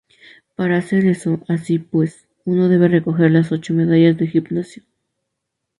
Para hacer eso así pues, uno debe recoger las ocho medallas de gimnasio.